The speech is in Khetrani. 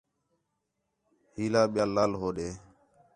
ہیلا بیال لال ہوݙے